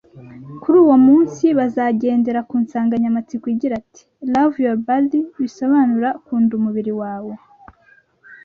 Kuri uwo munsi bazagendera ku nsanganyamatsiko igira iti ’Love Your Body’ bisobanura ’Kunda Umubiri Wawe’